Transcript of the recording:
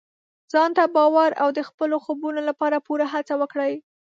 ځان ته باور او د خپلو خوبونو لپاره پوره هڅه وکړئ.